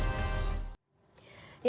tim liputan cnn indonesia